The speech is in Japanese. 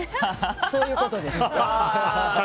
そういうことです。